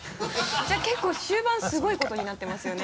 じゃあ結構終盤すごいことになってますよね。